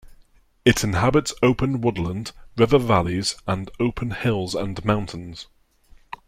It inhabits open woodland, river valleys, and open hills and mountains.